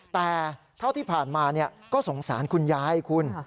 แต่เท่าที่ผ่านมาก็สงสารคุณยายคุณ